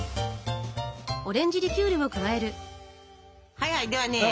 はいはいではね